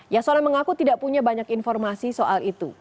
yasona mengaku tidak punya banyak informasi soal itu